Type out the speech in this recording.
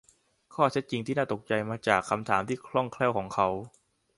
ข้อเท็จจริงที่น่าตกใจจะมาจากคำถามที่คล่องแคล่วของเขา